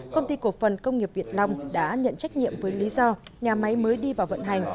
công ty cổ phần công nghiệp việt long đã nhận trách nhiệm với lý do nhà máy mới đi vào vận hành